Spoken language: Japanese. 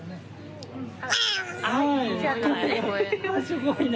すごいね！